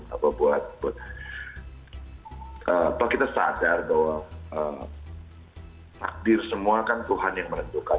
apa buat kita sadar bahwa takdir semua kan tuhan yang menentukan